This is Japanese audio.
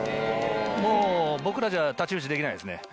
もう僕らじゃ太刀打ちできないですね。